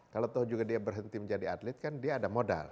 kalau tahu juga dia berhenti menjadi atlet kan dia ada modal